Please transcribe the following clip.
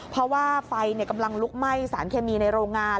เพราะว่าไฟกำลังลุกไหม้สารเคมีในโรงงาน